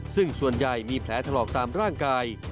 ซึ่งส่วนใหญ่มีแผลถลอกตามร่างกาย